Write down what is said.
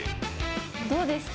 どうですか？